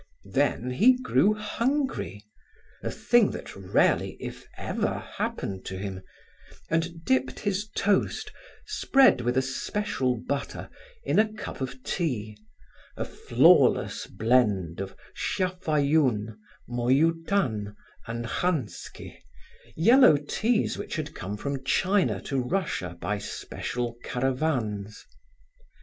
Then, he grew hungry a thing that rarely if ever happened to him and dipped his toast, spread with a special butter, in a cup of tea, a flawless blend of Siafayoune, Moyoutann and Khansky yellow teas which had come from China to Russia by special caravans.